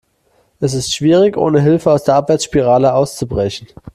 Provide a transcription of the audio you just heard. Es ist schwierig, ohne Hilfe aus der Abwärtsspirale auszubrechen.